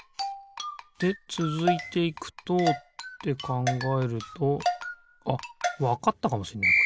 でつづいていくとってかんがえるとあっわかったかもしんない